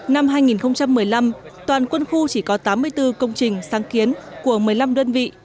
năm hai nghìn một mươi năm toàn quân khu chỉ có tám mươi bốn công trình sáng kiến của một mươi năm đơn vị